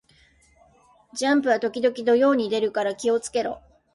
ジャンプは時々土曜に出るから気を付けろ